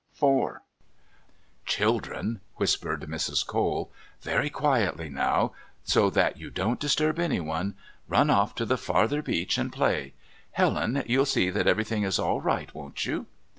IV "Children," whispered Mrs. Cole, "very quietly now, so that you don't disturb anyone, run off to the farther beach and play. Helen, you'll see that everything is all right, won't you?"